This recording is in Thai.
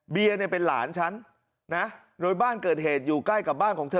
เนี่ยเป็นหลานฉันนะโดยบ้านเกิดเหตุอยู่ใกล้กับบ้านของเธอ